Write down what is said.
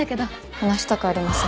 話したくありません。